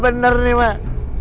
bener nih mah